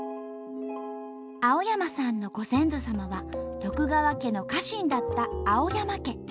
青山さんのご先祖様は徳川家の家臣だった青山家。